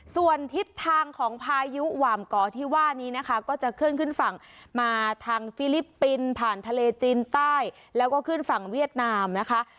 ส่วนทิศทางของพายุหว่ามก่อที่ว่านี้นะคะก็จะเคลื่อนขึ้นฝั่งมาทางฟิลิปปินส์ผ่านทะเลจีนใต้แล้วก็ขึ้นฝั่งเวียดนามนะคะ